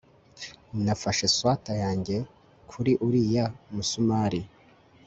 Nafashe swater yanjye kuri uriya musumari